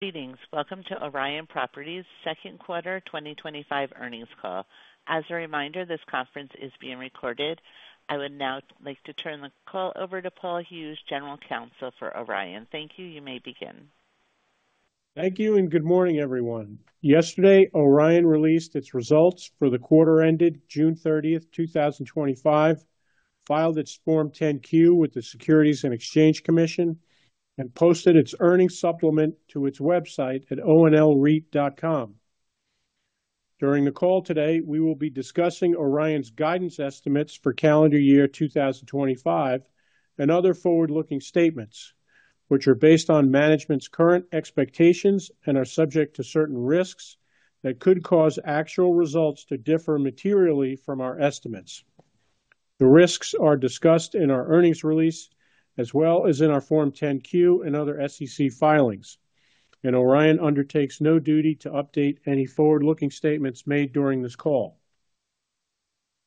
Greetings. Welcome to Orion Properties' Second Quarter 2025 Earnings Call. As a reminder, this conference is being recorded. I would now like to turn the call over to Paul Hughes, General Counsel for Orion. Thank you. You may begin. Thank you and good morning, everyone. Yesterday, Orion released its results for the quarter ended June 30th, 2025, filed its Form 10-Q with the Securities and Exchange Commission, and posted its earnings supplement to its website at onlreit.com. During the call today, we will be discussing Orion Properties' guidance estimates for calendar year 2025 and other forward-looking statements, which are based on management's current expectations and are subject to certain risks that could cause actual results to differ materially from our estimates. The risks are discussed in our earnings release, as well as in our Form 10-Q and other SEC filings, and Orion Properties undertakes no duty to update any forward-looking statements made during this call.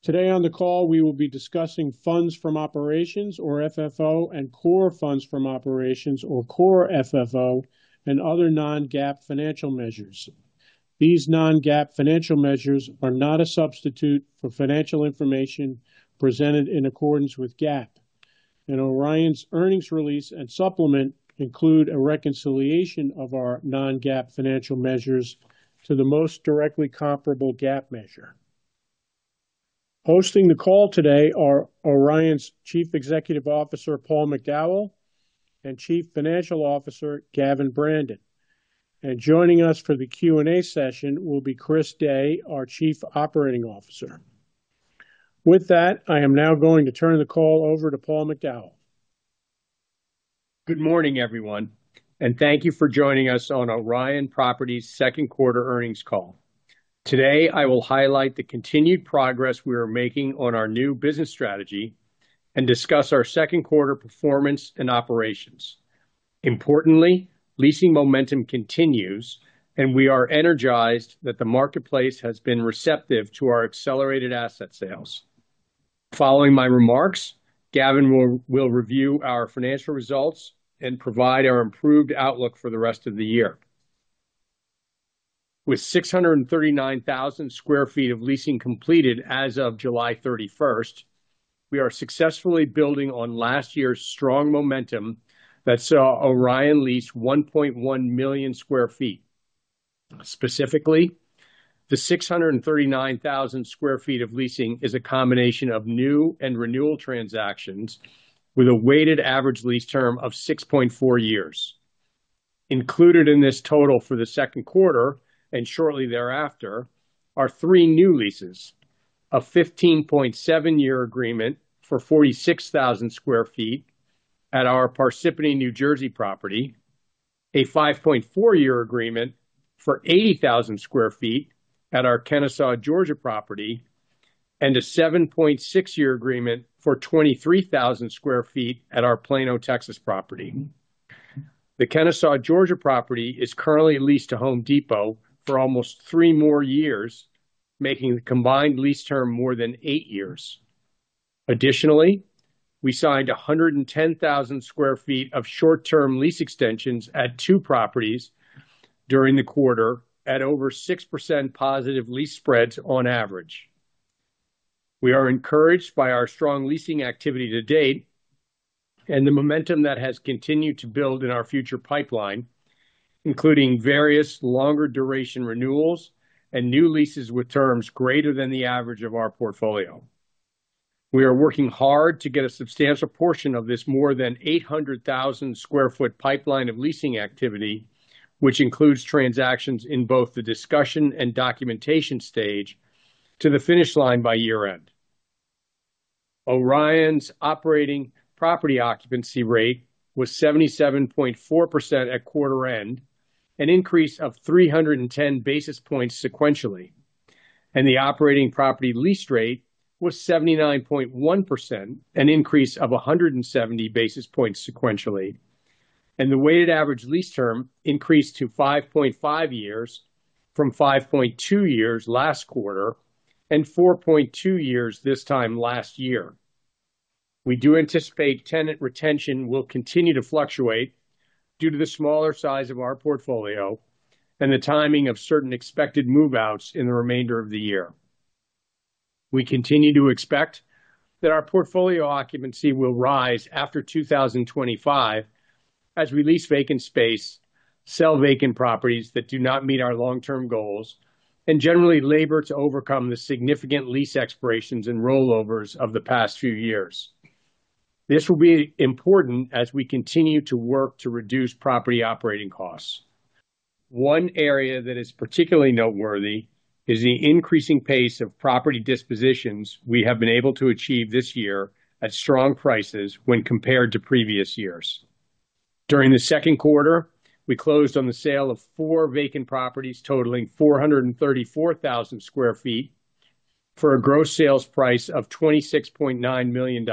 Today on the call, we will be discussing funds from operations, or FFO, and core funds from operations, or core FFO, and other non-GAAP financial measures. These non-GAAP financial measures are not a substitute for financial information presented in accordance with GAAP, and Orion Properties' earnings release and supplement include a reconciliation of our non-GAAP financial measures to the most directly comparable GAAP measure. Hosting the call today are Orion Properties' Chief Executive Officer, Paul McDowell, and Chief Financial Officer, Gavin Brandon. Joining us for the Q&A session will be Chris Day, our Chief Operating Officer. With that, I am now going to turn the call over to Paul McDowell. Good morning, everyone, and thank you for joining us on Orion Properties' second quarter earnings call. Today, I will highlight the continued progress we are making on our new business strategy and discuss our second quarter performance in operations. Importantly, leasing momentum continues, and we are energized that the marketplace has been receptive to our accelerated asset sales. Following my remarks, Gavin will review our financial results and provide our improved outlook for the rest of the year. With 639,000 sq ft of leasing completed as of July 31st, we are successfully building on last year's strong momentum that saw Orion lease 1.1 million sq ft. Specifically, the 639,000 sq ft of leasing is a combination of new and renewal transactions with a weighted average lease term of 6.4 years. Included in this total for the second quarter, and shortly thereafter, are three new leases: a 15.7-year agreement for 46,000 sq ft at our Parsippany, New Jersey property, a 5.4-year agreement for 80,000 sq ft at our Kennesaw, Georgia property, and a 7.6-year agreement for 23,000 sq ft at our Plano, Texas property. The Kennesaw, Georgia property is currently leased to The Home Depot for almost three more years, making the combined lease term more than eight years. Additionally, we signed 110,000 sq ft of short-term lease extensions at two properties during the quarter at over 6% positive lease spreads on average. We are encouraged by our strong leasing activity to date and the momentum that has continued to build in our future pipeline, including various longer duration renewals and new leases with terms greater than the average of our portfolio. We are working hard to get a substantial portion of this more than 800,000 sq ft pipeline of leasing activity, which includes transactions in both the discussion and documentation stage, to the finish line by year-end. Orion's operating property occupancy rate was 77.4% at quarter end, an increase of 310 basis points sequentially, and the operating property lease rate was 79.1%, an increase of 170 basis points sequentially, and the weighted average lease term increased to 5.5 years from 5.2 years last quarter and 4.2 years this time last year. We do anticipate tenant retention will continue to fluctuate due to the smaller size of our portfolio and the timing of certain expected move-outs in the remainder of the year. We continue to expect that our portfolio occupancy will rise after 2025 as we lease vacant space, sell vacant properties that do not meet our long-term goals, and generally labor to overcome the significant lease expirations and rollovers of the past few years. This will be important as we continue to work to reduce property operating costs. One area that is particularly noteworthy is the increasing pace of property dispositions we have been able to achieve this year at strong prices when compared to previous years. During the second quarter, we closed on the sale of four vacant properties totaling 434,000 sq ft for a gross sales price of $26.9 million,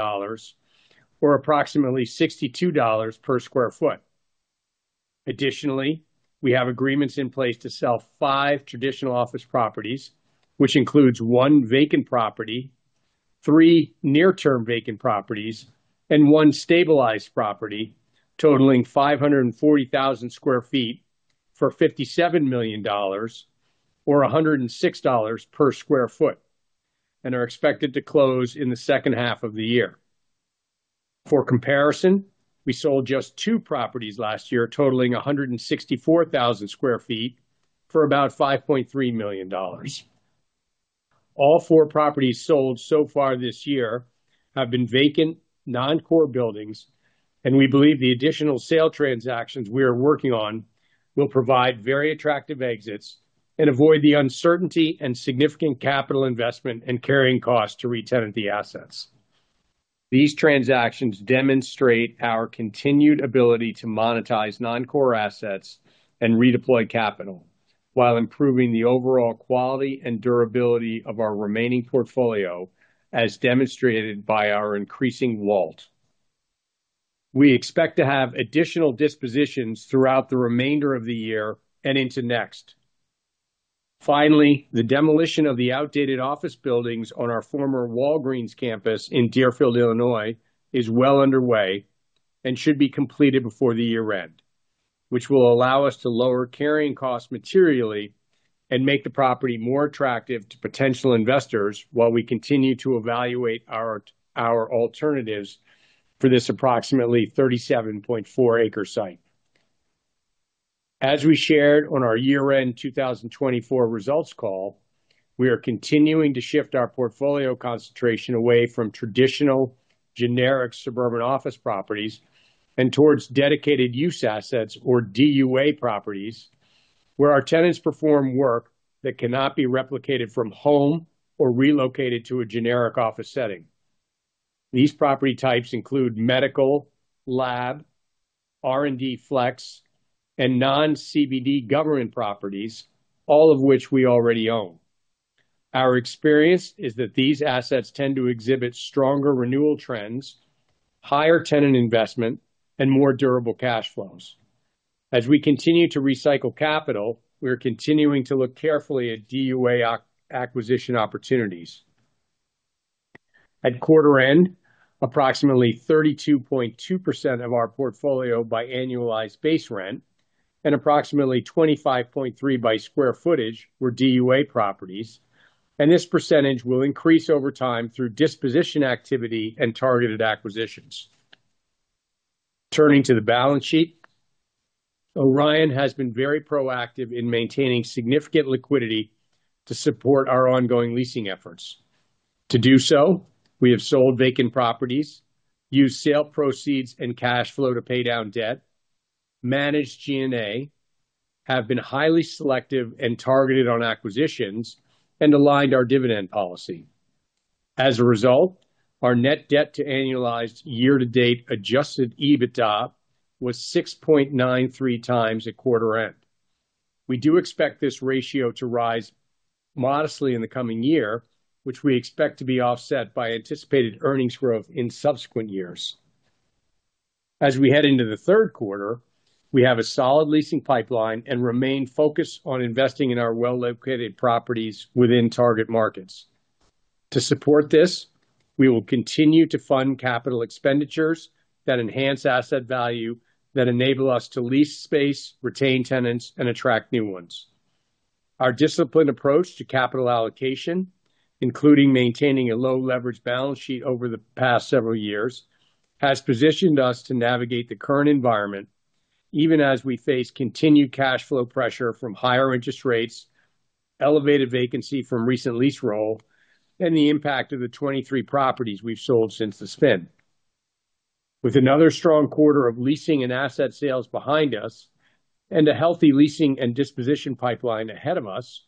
or approximately $62 per square foot. Additionally, we have agreements in place to sell five traditional office properties, which includes one vacant property, three near-term vacant properties, and one stabilized property totaling 540,000 sq ft for $57 million, or $106 per square foot, and are expected to close in the second half of the year. For comparison, we sold just two properties last year totaling 164,000 sq ft for about $5.3 million. All four properties sold so far this year have been vacant, non-core buildings, and we believe the additional sale transactions we are working on will provide very attractive exits and avoid the uncertainty and significant capital investment and carrying cost to re-tenant the assets. These transactions demonstrate our continued ability to monetize non-core assets and redeploy capital while improving the overall quality and durability of our remaining portfolio, as demonstrated by our increasing WALT. We expect to have additional dispositions throughout the remainder of the year and into next. Finally, the demolition of the outdated office buildings on our former Walgreens campus in Deerfield, Illinois is well underway and should be completed before the year end, which will allow us to lower carrying costs materially and make the property more attractive to potential investors while we continue to evaluate our alternatives for this approximately 37.4-acre site. As we shared on our year-end 2024 results call, we are continuing to shift our portfolio concentration away from traditional generic suburban office properties and towards dedicated use assets, or DUA properties, where our tenants perform work that cannot be replicated from home or relocated to a generic office setting. These property types include medical, lab, R&D flex, and non-CBD government properties, all of which we already own. Our experience is that these assets tend to exhibit stronger renewal trends, higher tenant investment, and more durable cash flows. As we continue to recycle capital, we are continuing to look carefully at DUA acquisition opportunities. At quarter end, approximately 32.2% of our portfolio by annualized base rent and approximately 25.3% by square footage were DUA properties, and this percentage will increase over time through disposition activity and targeted acquisitions. Turning to the balance sheet, Orion Properties has been very proactive in maintaining significant liquidity to support our ongoing leasing efforts. To do so, we have sold vacant properties, used sale proceeds and cash flow to pay down debt, managed G&A, have been highly selective and targeted on acquisitions, and aligned our dividend policy. As a result, our net debt to annualized year-to-date adjusted EBITDA was 6.93x at quarter end. We do expect this ratio to rise modestly in the coming year, which we expect to be offset by anticipated earnings growth in subsequent years. As we head into the third quarter, we have a solid leasing pipeline and remain focused on investing in our well-located properties within target markets. To support this, we will continue to fund capital expenditures that enhance asset value, that enable us to lease space, retain tenants, and attract new ones. Our disciplined approach to capital allocation, including maintaining a low leverage balance sheet over the past several years, has positioned us to navigate the current environment, even as we face continued cash flow pressure from higher interest rates, elevated vacancy from recent lease roll, and the impact of the 23 properties we've sold since the spin. With another strong quarter of leasing and asset sales behind us and a healthy leasing and disposition pipeline ahead of us,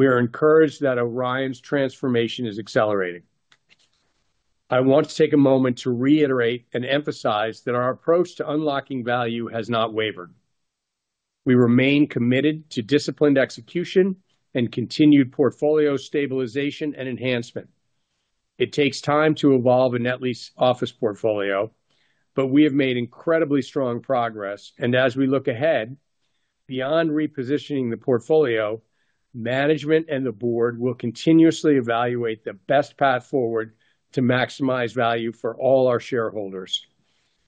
we are encouraged that Orion Properties' transformation is accelerating. I want to take a moment to reiterate and emphasize that our approach to unlocking value has not wavered. We remain committed to disciplined execution and continued portfolio stabilization and enhancement. It takes time to evolve a net lease office portfolio, but we have made incredibly strong progress, and as we look ahead, beyond repositioning the portfolio, management and the Board will continuously evaluate the best path forward to maximize value for all our shareholders.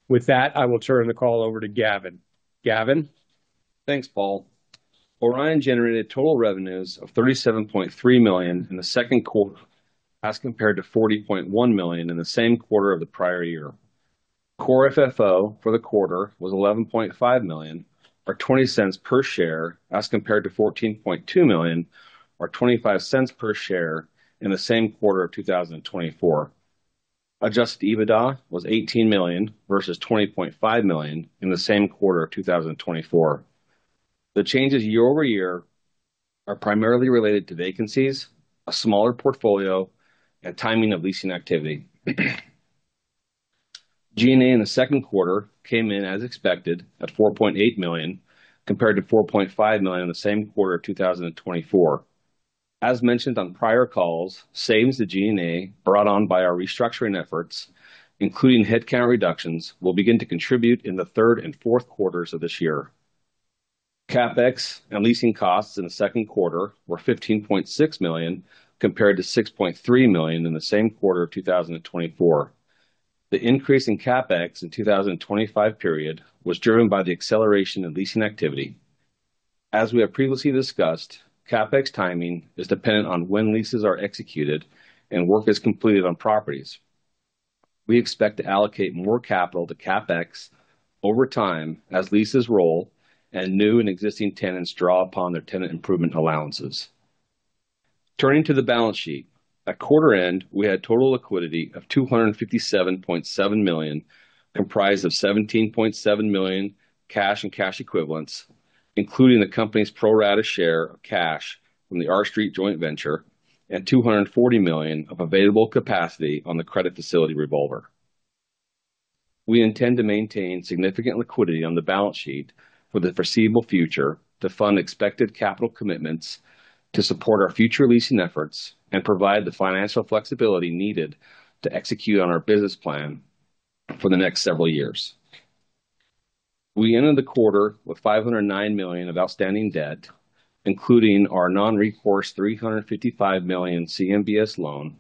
With that, I will turn the call over to Gavin. Gavin? Thanks, Paul. Orion Properties generated total revenues of $37.3 million in the second quarter, as compared to $40.1 million in the same quarter of the prior year. Core FFO for the quarter was $11.5 million, or $0.20 per share, as compared to $14.2 million, or $0.25 per share in the same quarter of 2024. Adjusted EBITDA was $18 million versus $20.5 million in the same quarter of 2024. The changes year-over-year are primarily related to vacancies, a smaller portfolio, and timing of leasing activity. G&A in the second quarter came in as expected at $4.8 million compared to $4.5 million in the same quarter of 2024. As mentioned on prior calls, savings to G&A brought on by our restructuring efforts, including headcount reductions, will begin to contribute in the third and fourth quarters of this year. CapEx and leasing costs in the second quarter were $15.6 million compared to $6.3 million in the same quarter of 2024. The increase in CapEx in the 2025 period was driven by the acceleration in leasing activity. As we have previously discussed, CapEx timing is dependent on when leases are executed and work is completed on properties. We expect to allocate more capital to CapEx over time as leases roll and new and existing tenants draw upon their tenant improvement allowances. Turning to the balance sheet, at quarter end, we had total liquidity of $257.7 million comprised of $17.7 million cash and cash equivalents, including the company's pro rata share of cash from the R Street joint venture and $240 million of available capacity on the credit facility revolver. We intend to maintain significant liquidity on the balance sheet for the foreseeable future to fund expected capital commitments to support our future leasing efforts and provide the financial flexibility needed to execute on our business plan for the next several years. We ended the quarter with $509 million of outstanding debt, including our non-recourse $355 million CMBS loan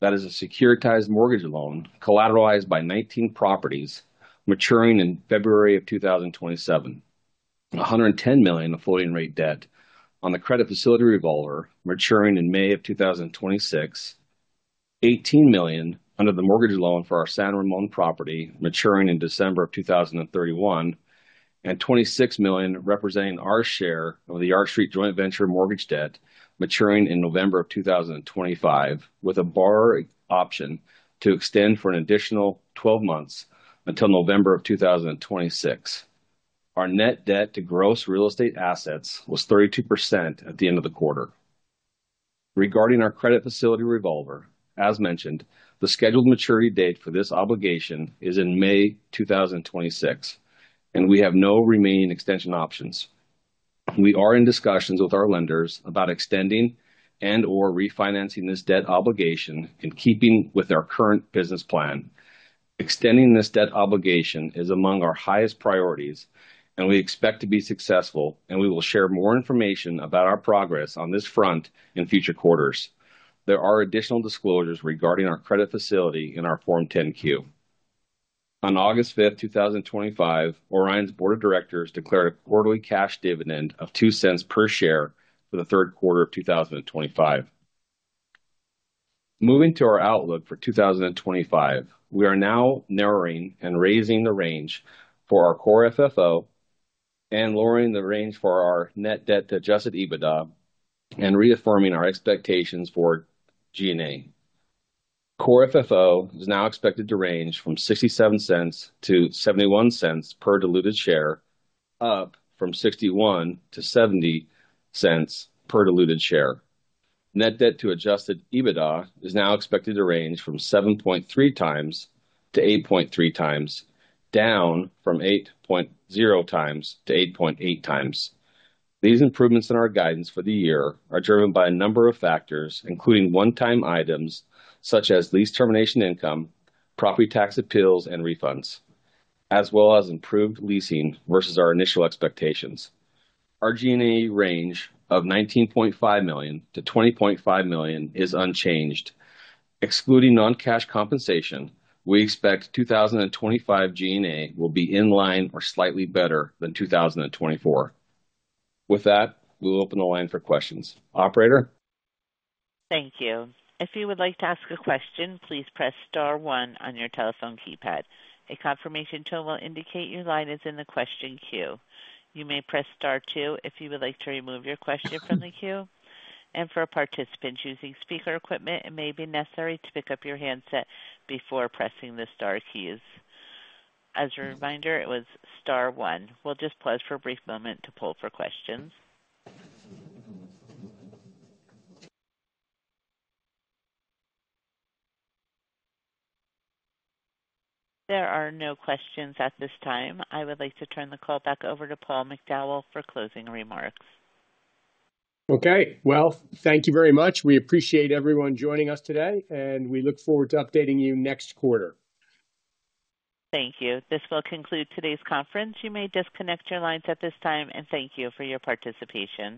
that is a securitized mortgage loan collateralized by 19 properties maturing in February of 2027, $110 million of floating rate debt on the credit facility revolver maturing in May of 2026, $18 million under the mortgage loan for our San Ramon property maturing in December of 2031, and $26 million representing our share of the R Street joint venture mortgage debt maturing in November of 2025 with a borrower option to extend for an additional 12 months until November of 2026. Our net debt to gross real estate assets was 32% at the end of the quarter. Regarding our credit facility revolver, as mentioned, the scheduled maturity date for this obligation is in May 2026, and we have no remaining extension options. We are in discussions with our lenders about extending and/or refinancing this debt obligation in keeping with our current business plan. Extending this debt obligation is among our highest priorities, and we expect to be successful, and we will share more information about our progress on this front in future quarters. There are additional disclosures regarding our credit facility in our Form 10-Q. On August 5th, 2025, Orion Properties' Board of Directors declared a quarterly cash dividend of $0.02 per share for the third quarter of 2025. Moving to our outlook for 2025, we are now narrowing and raising the range for our core FFO and lowering the range for our net debt to adjusted EBITDA and reaffirming our expectations for G&A. Core FFO is now expected to range from $0.67-$0.71 per diluted share, up from $0.61 to $0.70 per diluted share. Net debt to adjusted EBITDA is now expected to range from 7.3x to 8.3x, down from 8.0x to 8.8x. These improvements in our guidance for the year are driven by a number of factors, including one-time items such as lease termination income, property tax appeals, and refunds, as well as improved leasing versus our initial expectations. Our G&A range of $19.5 million-$20.5 million is unchanged. Excluding non-cash compensation, we expect 2025 G&A will be in line or slightly better than 2024. With that, we'll open the line for questions. Operator? Thank you. If you would like to ask a question, please press star one on your telephone keypad. A confirmation tone will indicate your line is in the question queue. You may press star two if you would like to remove your question from the queue. For a participant using speaker equipment, it may be necessary to pick up your handset before pressing the star keys. As a reminder, it was star one. We'll just pause for a brief moment to pull for questions. There are no questions at this time. I would like to turn the call back over to Paul McDowell for closing remarks. Thank you very much. We appreciate everyone joining us today, and we look forward to updating you next quarter. Thank you. This will conclude today's conference. You may disconnect your lines at this time, and thank you for your participation.